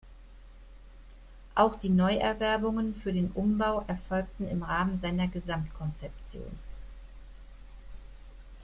Auch die Neuerwerbungen für den Umbau erfolgten im Rahmen seiner Gesamtkonzeption.